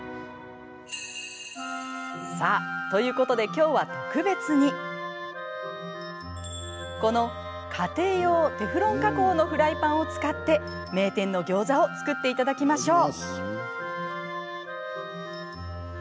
さあ、ということできょうは特別にこの家庭用テフロン加工のフライパンを使って名店のギョーザを作っていただきましょう。